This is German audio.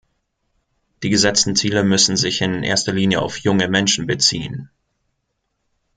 Die gesetzten Ziele müssen sich in erster Linie auf junge Menschen beziehen.